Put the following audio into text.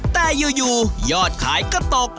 แต่อยู่ยอดขายก็ตก